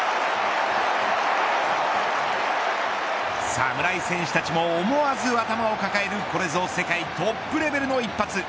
侍戦士たちも思わず頭を抱えるこれぞ世界トップレベルの一発。